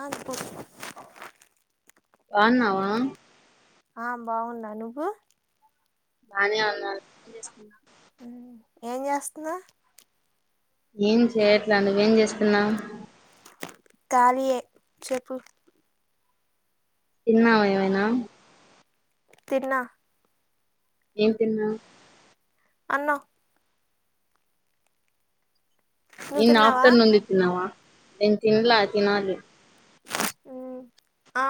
ఆస్పు బాన్నావ? ఆ బావున్నా. నువ్వు? బానే ఉన్నాను ఏం చేస్తున్నావ్? ఏం చేస్తున్నా ఏం చెయట్లా. నువ్వేం చేస్తున్నావ్? కాలియే చెప్పు తిన్నావా ఏమైనా? తిన్నా ఏం తిన్నావు? అన్నం నువ్వు ఇన్ తిన్నావా ఆఫ్టర్నూన్ ది తిన్నవ, నేను తిన్లా తినాలి ఉ ఆ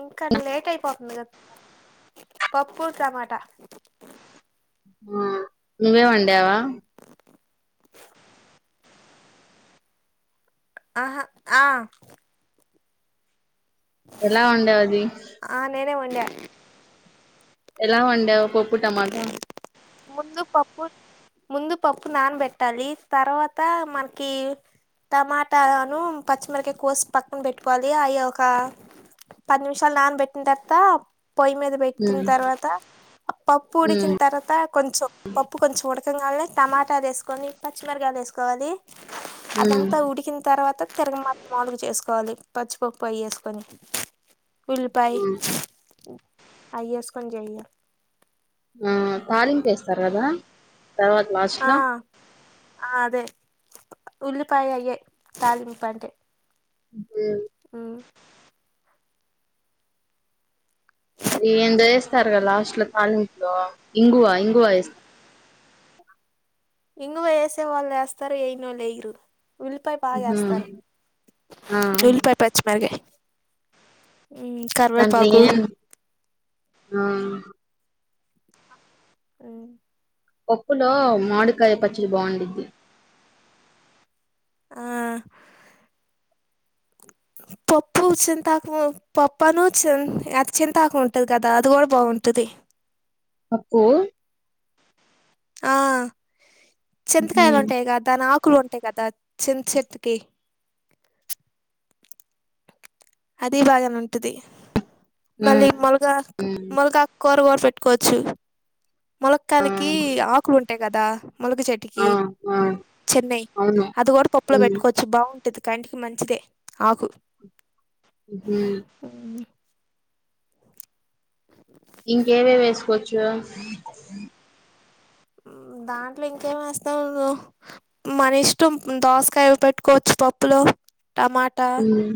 ఇంకా లేట్ అయిపోతుంది కదా పప్పు టమాటా ఆ నువ్వే వండావ? ఆహా ఆ ఎలా వండావ్ అది? డె ఎలా వండావు పప్పు టమాటా? ముందు పప్పు ముందు పప్పు నానబెట్టాలి తర్వాత మనకి టమాటాను పచ్చిమిరకాయ కోసి పక్కన పెట్టుకోవాలి అవి ఒక పది నిమిషాలు నాన పెట్టిన తర్వాత పొయ్యి మీద పెట్టిన ఉమ్ తర్వాత పప్పు ఉమ్ ఉడికిన తర్వాత కొంచెం పప్పు కొంచెం ఉడకగానే టమాటాలు వేసుకొని పచ్చిమిరకాయలు వేసుకోవాలి ఉమ్ అదంతా ఉడికిన తర్వాత తిరగ మాత మాములుగ చేసుకోవాలి పచ్చిపప్పు అయ్యేసుకుని ఉల్లిపాయ ఉమ్ అయ్యేసుకుని చెయ్య ఆ తాలింపు వేస్తారు కదా తర్వాత లాస్ట్ ఆ లో ఆ అదే ఉల్లిపాయ అయ్యే తాలింపంటే మ్ ఆ అది ఏందో వేస్తారు కదా లాస్ట్ లో తాలింపులో ఇంగువా ఇంగువ వేస్తారు ఇంగువ ఎసే వాళ్ళు వేస్తారు ఏయిన వాళ్ళు ఏ ఎయ్యరు ఉల్లిపాయ బాగా ఉహూ చేస్తారు ఆ ఉల్లిపాయ పచ్చి మిరపకాయి దాంట్లో కరివేపాకు ఏం ఆ ఆ పప్పులో మాడికాయ పచ్చడి బావుఉండిద్ది ఆ పప్పు చింతాకు పప్పును చింతాకు ఉంటది కదా అది కూడా బాగుంటది పప్పు ఆ చింతకాయలు హ్మ్ ఉంటాయి కద దాని ఆకు కుల్ ఉంటాయి కదా చింత చెట్టుకి అది బాగానే ఉంటది హ్మ్ మళ్ళీ ములగా హ్మ్ ములగా కూరగోర పెట్టుకోవచ్చు ఆ ముొలక్కయలకి ఆకులు ఉంటాయి కదా మలగ ఆ చెట్టుకి ఆ చెన్నై అవును అది కూడా పప్పులో హ్మ్ పెట్టుకోవచ్చు బాగుంటుది కంటికి మంచిదే ఆకు హ ఉమ్, ఎస్ దాంట్లో ఇంకేం వస్తావు ను్వు మన ఇష్టం దోసకాయవి పెట్టుకోవచ్చు పప్పులో టమాటా హ్మ్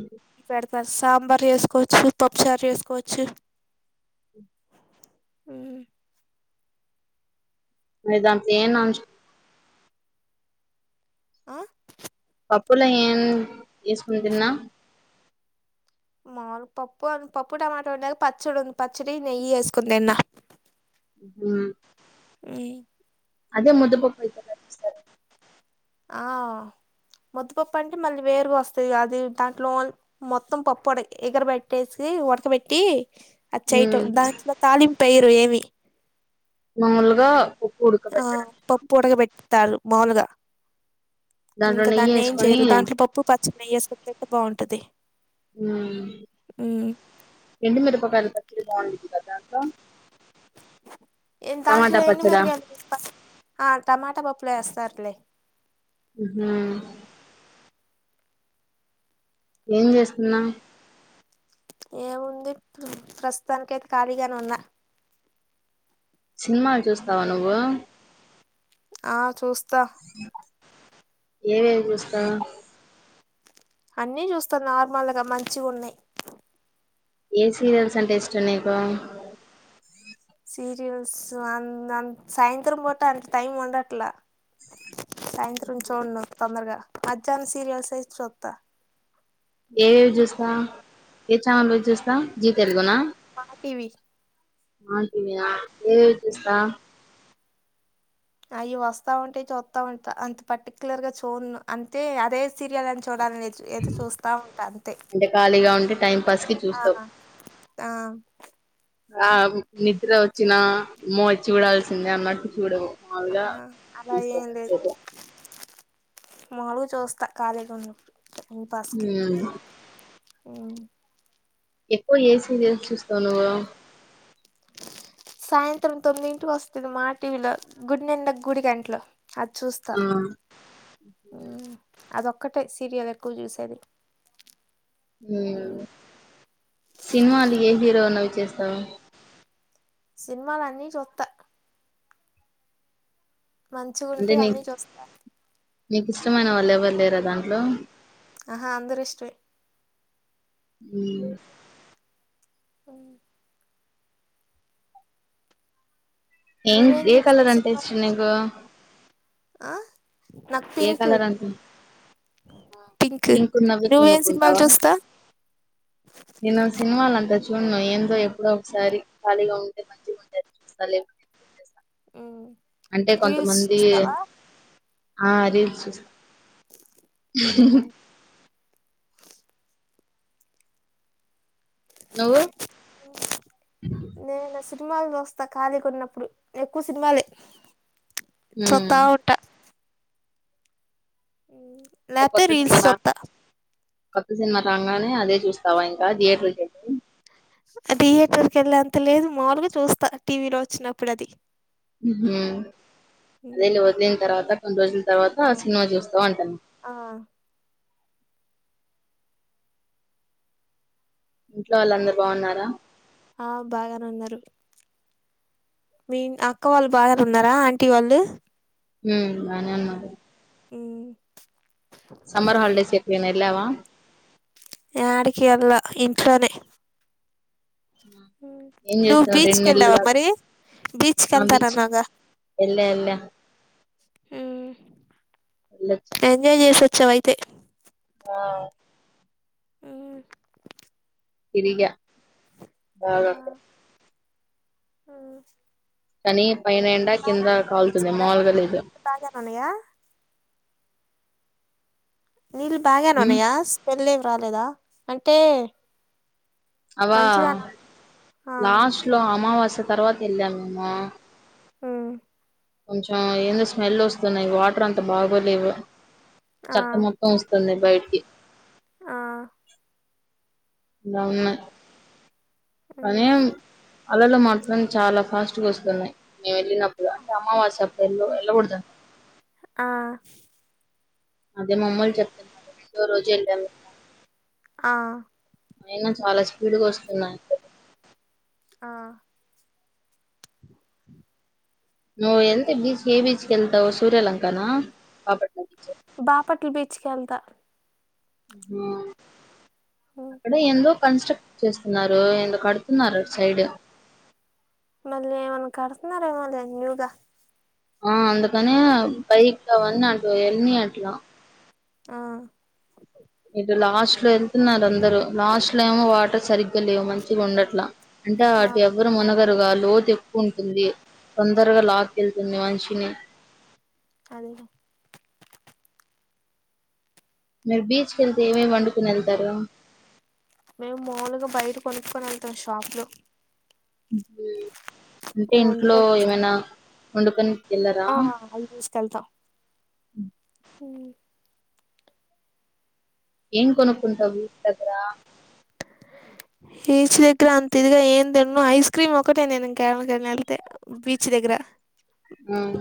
సాంబార్ వేసుకోవచ్చు పప్పుచారు వేసుకోవచ్చు అదాంత చేయన్ ఆ పప్పులో ఏం వేసుకుని తిన్నా మాలు పప్పు పప్పు టమాటో ఉండక పచ్చడి ఉంది పచ్చడి నెయ్యి వేసుకుంది తిన్న మ్ ఉమ్మ్ అదే ముదుపప్పు అయితేచిస్తారు ఆ ముద్దుపప్పు అంటే మళ్ళీ వేరుగా వస్తుంది కాది దాంట్లో మొత్తం పప్పు ఎగరబెట్టేసి ఉడక పెట్టి అద్ చేయటం హ్మ్ దాంట్లో తాలింపు ఏయరు ఏమి మాముూల్గా ఆ పప్పు ఉడక బెట్టుతారు మాముల్గా దాంట్లో ఇంకా నెయ్యి దాన్ని ఏం ఏసుకొని చేయరు దాంట్లో పప్పు, పచ్చడి, నెయ్యి ఏస్కోన్ తింటే బాగుంటది. మ్ మ్మ్ ఎండు మిరపకాయల పచ్చడి బాగుంటుంది కదా అ ఎన్ దాంట్లో ఎండు మిరకాల్ ఆ టమాట ప ప్పులో ఏస్తార్లే. అ హ ఏం చేస్తున్నా? ఏముంది ప్రస్తుతానికైతే ఖాళీగానే ఉన్నా. సినిమాలు చూస్తావా నువ్వూ ఆ చూస్ ఏవేమి చూస్తా అన్నీ చూస్తా నార్మల్గా మంచిగున్నయి. ఏ సీరియల్స్ అంటే ఇష్టం నీకూ సీరియల్స్ అన్ అంత్ సాయంత్రం పూట అంత టైం ఉండట్లా సాయంత్రం చూడను తొందర్గా మధ్యాహ్నం సీరియల్సే చూత్త ఏయే చూస్తా ఏ ఛానల్ చూస్తా జీ తెలుగునా టీవీ మా టీవీయా నేను చూస్తా. అయి వస్తావుంటే చూత్త ఉంటా అంత పర్టిక్యుర్గా చూడను అంతే అదే సీరియల్ అన్ ఒక్కదాన్నే ఏదో చూస్తా ఉంట అంతే అంటే ఖాళీగా ఉంటే టైం పాస్ కి చూస్తావ్ ఆ ఆ నిద్ర వచ్చినా అమ్మో చూడాల్సిందే అన్నట్టు చూడవు. మాములుగా ఆ అలా చూస్తావ్ ఏం లేద్ కాసేపు మామూల్గా చూస్తా కాలిగా ఉన్నప్పుడు మ్ మ్ ఎక్కువ ఏ సీరియల్ చూస్తావు నువ్వూ సాయంత్రం తొమ్మిదింటికి వస్తది మా టీవీలో గుండెనిండా గుడి గంటలు అద్ చూస్తా ఆ అదొ ఒక్కటే సీరియల్ ఎక్కువ చూసేది. మ్ సినిమాలు ఏ హీరో ఉన్నవి చూస్తావ్ సినిమాలన్నీ చూత్త. మంచిగా అంటే ఉంటే అన్నీ నీక్ చూస్తా నీక్ ఇష్టమైన వాళ్ళు ఎవ్వర్ లేరా దాంట్లో ఆహా అందరు ఇష్టంమే అవునా అవును ఏం నువ్వేం ఏ చూస్తా కలర్ అంటే సినిమాలు ఇష్టం నీకు? ఆ నాక్ ఏ పింక్ కలర్ అనుకు పింక్ ఉన్నవి నువ్వేం సినిమాల్ కొనుక్కుంటావా చూస్తా నేను సినిమాలంత చూ ను ఏందో ఎప్పుడో ఒకసారి కలిగా ఉంటే మంచిగా ఉంటే చూస్తా లేకపోతే [inaudible] మ్ అంటే రీల్స్ కొంతమందీ చూస్తావా ఆ రీల్స్ చూస్ మ్ నువ్వు నేసి సినిమాలు చూస్తా ఖాళీ కున్నప్పుడు ఎక్కువ సినిమాలే ఉమ్ సుత్తావుంట అంటే లేకపోతే కొత్త సినిమా రీల్స్ నా చూస్తా కొత్త సినిమా రంగానే అదే చూస్తావా ఇంకా థియేటర్ కెళ్ళి థియేటర్ కి వెళ్లె అంత లేదు మాములుగా చూస్తా టీవీలో వచ్చినప్పుడు అది నీళ్లు వద్లిన తర్వాత రెండు రోజుల తర్వాత ఆ సినిమా చూస్తా అంటాను ఆ ఇంట్లో వాళ్ళు అందరు బాగున్నారా ఆ బాగానే ఉన్నారు మీ అక్క వాళ్ళు బాగా ఉన్నారా ఆంటీ వాళ్ళు ఉ బానే ఉన్నం ఉ సమ్మర్ హాలిడేస్ ఎక్కడన్న ఎల్లావా ఆడికి ఎల్ళ ఇంట్లోనే ఉమ్. ఏం నువ్వు చేస్తున్నారు రెండు బీచ్కి నెల్లు వెళ్ళావా కా మరి బీచ్కి ఆ బ వెళ్తానన్నావుగా ఎల్ల ఎల్ల ఉమ్. ఎంజాయ్ చేసొచ్చావయితే ఆ ఉ తిరిగా బాగా ఆహ కనీ బాగానాచడా లేదు బాగానా ఉన్నాయా నీళ్ళు బాగానే ఉమ్ ఉన్నాయా స్పెల్ ఏవి రాలేదా అంటే అవా మంచిగానా ఆ లాస్ట్లో అమావాస్య తర్వాత వెళ్ళా మమ ఆ కొంచెం ఏందో స్మెల్ వస్తున్నాయి వాటర్ అంత బాగోలేవు ఆ చెత్త మొత్తం వస్తుంది బయటికి ఆ ఇ ఉన్నాయ్ పనీ అలల మాట్ చాలా ఫాస్ట్గా వస్తున్నాయ్ మేము వెళ్లినప్ అంటే అమావాస్య నెల్లో ఎల్ల కూడద ఆ అదే మమ్మని చెప్తున్నారు రెండు రోజు వెళ్ళాము ఆ అయినా చాలా స్పీడ్ గా వస్తున్నాయి ఆ నువ్వు ఎంత బీచ్ ఏ బీచ్ ఎళ్తావ్ సూర్యలంకనా బాపట్ల బీచ్ బాపట్ల బీచ్కి వెళ్తా అక్కడ ఎందో కన్స్ట్రక్ట్ చేస్తున్నారు ఎ కడుతున్నారు సైడ్ మళ్ళీ కడుతున్నారేమోలే న్యూగా ఆ అందుకనీ బైక్ అవున్ని అటు ఎల్ని ఇయ్యట్ల ఆ లాస్ట్ లో వెళ్తున్నారు అందరు లాస్ట్ లో ఏమో వాటర్ సరిగ్గా లేవు మంచిగ ఉండట్లా అంటే ఆ అటు ఎవరు మునగరుగాలు తేప్పు ఉంటుంది తొందరగా లాక్ ఎళ్తుంది మనిషిని అది మీరు బీచ్ కేళ్తే ఏమేమి వండుకొని వెళ్తరు మేము మాములుగా బయట కొనుక్కుని వెళ్తాం షాప్ లో హ్మ్ అంటే ఇంట్లో వండుకొని తెస్తాం ఏమైన వండుకొని వెళ్ళరా ఆ ఆది తీసుకెళ్తా ఏం కొనుకుంటవు బిచ్ దగ్గరా బీచ్ దగ్గర అంత ఇదిగ ఏం తిన్ను ఐస్ క్రీమ్ ఒకటే నేను ఇంకా తినధి వెళ్ళితే బీచ్ దగ్గర హ్మ్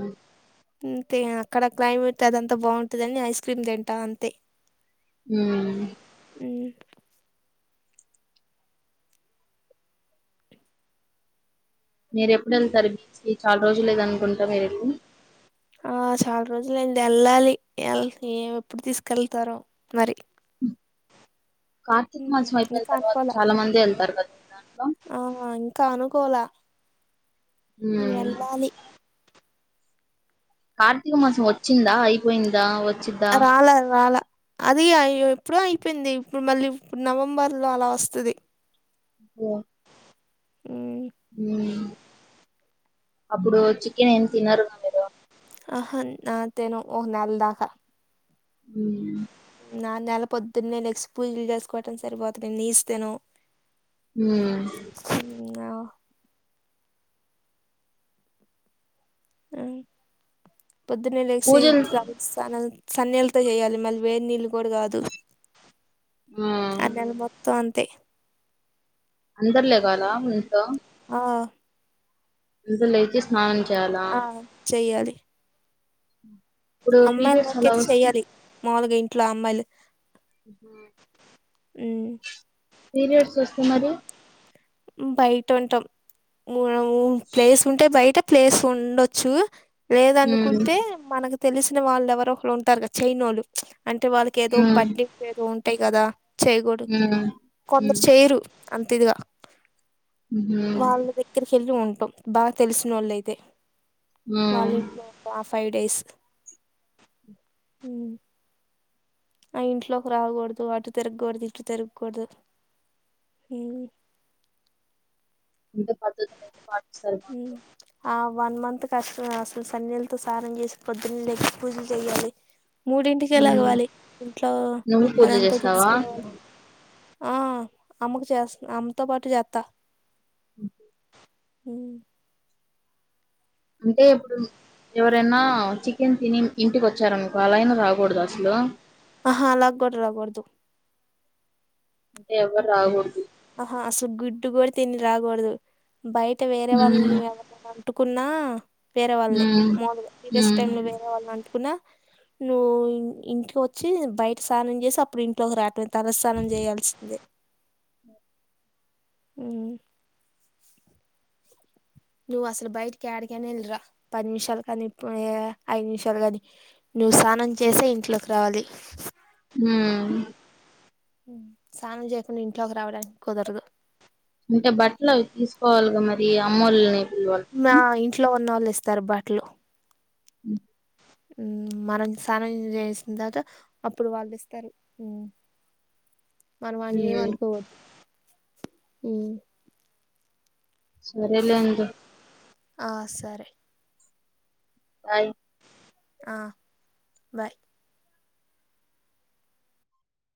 అంతే అక్కడ క్లైమేట్ అదంత బాగుంటందంని ఐస్ క్రీమ్ తింటా అంతే హ్మ్ మీరు ఎప్పుడు వెళ్తారు బీచ్ కి చాలా రోజులు లేద అనుకుంటా మీరు ఎళ్ళి ఆ చాలా రోజులయ్యింది వెళ్ళాలి ఏం ఎప్పుడు తీసుకెళ్తారో మరి కార్తీక ఉమ్, మాసం అయిపోయిన ఇంకా తర్వాత అనుకోలా చాలా మంది వెళ్తారు కద దాంట్లో ఇంక అనుకోలా హ్మ్ వెళ్ళాలి కార్తీక మాసం వచ్చిందా అయిపోయిందా వచ్చిద్దా రళా రలా అది ఎప్పుడో అయిపోయింది ఇప్పుడు మళ్ళీ ఇప్పుడు నవంబర్ లో అలా వస్తది ఓ ఉమ్, హ్మ్ అప్పుడు చికెన్ ఏం తినరుగ మీరు ఆహా ఆ తినం ఓక నేల్ దాక హ్మ్ నెల పొద్దున్నే లెజిస్పోయీ పూజలు చేసుకోవటం సరిపోతుంది నీస్ తినం హ్మ్ న్యా హ్మ్ పొద్దునే లెగీసి పూజలు తల స్నానల్ సన్నీళ్లతో చేయాలి మళ్ళీ వేడినీళ్ళు కూడా కాదు ఆ నెల మొత్తం అంత తే అందరు లెగాల మీ ఇంట్లో ఆ అందరు లేచి స్నానం చేయాల ఆ చెయ్యాలి ఇప్పుడు అమ్మాయిల పీరియడ్స్ వరక అలా అయితే వస్తే చెయ్యాలి మాములుగ ఇంట్లో అమ్మాయిలు హ హ్మ్ పీరియడ్స్ వోస్తే మరి బయట ఉంటాం హ్మ్ ప్లేస్ ఉంటే బయట ప్లేస్ ఉండొచ్చు హ్మ్ లేదనుకుంటే మనకు తెలిసిన వాళ్ళు ఎవరు ఒకరు ఉంటారు కదా చైనోలు అంటే వాళ్ళకి ఏదో హ్మ్ పట్టింపు ఏదో ఉంటాయి కదా చేయకూడదు హ్మ్ కొందరు హ్మ్ చేయరు అన్ తిదిగ వాళ్ళ ఊహూ దగ్గరికి వెళ్ళి ఉంటాం బా తెలిసిన వాళ్ళు అయితే వాళ్ళ హ్మ్ ఇంట్లో ఆ ఫైవ్ డేస్ ఆ ఇంట్లోకి రాకూడదు అటు తిరగకూడదు ఇటు తిరగకూడదు హ్మ్ ఇంత పద్ధతి లేద్ పాడ్ ఉమ్ ఆ వన్ మంత్ కష్టమే అసలు సన్నీలతో సానం చేసి పొద్దున్న లేసి పూజల్ చేయ్యాలి మూడింటికె హ్మ్ లెగవాలి ఇంట్లో నువ్వు పూజ అదంతా చేస్తావా తుడుసుకోవాలి ఆ అమ్మకు చేస్ అమ్మతో పాటు చెత్త అఓ ఉమ్ అంటే ఇప్పుడు ఎవరైనా చికెన్ తిని ఇంటికి వచ్చారనుకో అలాయినా రాకూడద అసలు ఆహా అలాగ్ కుడ్ రాకూడ్దు ఎవర్రాకూడదు ఆహా అసలు గుడ్డు కూడా తిని రాకూడదు బయట వేరే వాళ్ళని హ్మ్ నువె ఎవ అంటుకున్నా వేరే వాళ్నె హ్మ్ మముల్గా పిరియస్ హ్మ్ టైమ్ లో వేరే వాళ్ళని అంటుకున్నా నువ్వు ఇంటికొచ్చి బయట స్నానం చేసి అప్పుడు ఇంట్లోకి రాటమే తలస్థనం చేయాల్సిందే ఉమ్ నువ్ అసలు బయట్ క్యడికైనా ఎల్లిర్రా పది నిమిషాలు కని ప్పుయే ఐదు నిమిషాలు కని నువ్వు స్నానం చేసే ఇంట్లోకి రావాలి ఉమ్ సానం చేయకుండా ఇంట్లోకి రావడానికి కుదరదు అంటే బట్లవి తీసుకోవాలిగా మరి అమ్మోలని మా ఇంట్లో ఉన్నవాళ్ళు ఇస్తారు బట్లు ఉ ఉమ్ మరం సనం చేసిన తర్వాత అప్పుడు వాళ్ళు ఇస్తారు మనం వాని హ్మ్ ఏమంటుకోవద్దు సరేలెంది ఆ సరే అయి ఆ బాయ్